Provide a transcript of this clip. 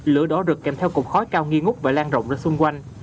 lửa đó rực kèm theo cục khói cao nghi ngút và lan rộng ra xung quanh